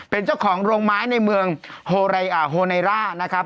เป็นเจ้าของโรงไม้ในเมืองโฮไร่านะครับ